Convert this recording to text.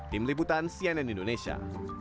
tim liputan cnn indonesia